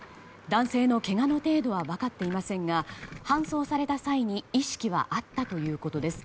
男性のけがの程度は分かっていませんが搬送された際に意識はあったということです。